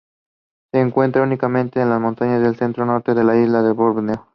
Se encuentra únicamente en las montañas del centro-norte de la isla de Borneo.